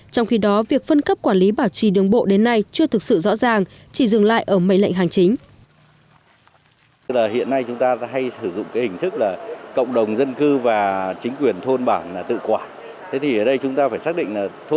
trong khi đó việc phân cấp quản lý bảo trì đường bộ đến nay chưa thực sự rõ ràng chỉ dừng lại ở mấy lệnh hành chính